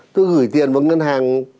tôi gửi tiền vào ngân hàng